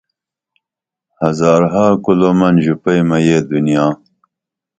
ہزارہا کُلومن ژوپائیمہ یہ دنیا